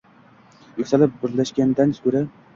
Yuksalib birlashgandan ko‘ra